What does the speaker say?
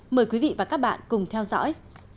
mời quý vị và các bạn cùng theo dõi